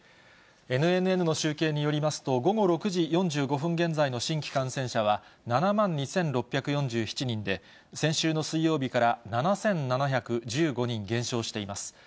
ＮＮＮの集計によりますと、午後６時４５分現在の新規感染者は、７万２６４７人で、先週の水曜日から７７１５人減少しています。